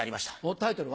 タイトルは？